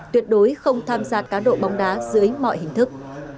tuyệt đối không tham gia cá độ bóng đá dưới mọi hình thức